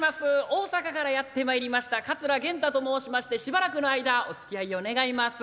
大阪からやって参りました桂源太と申しましてしばらくの間おつきあいを願います。